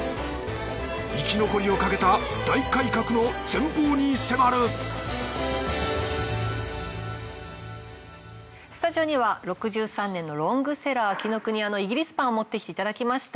生き残りをかけた大改革の全貌に迫るスタジオには６３年のロングセラー紀ノ国屋のイギリスパンを持ってきていただきました。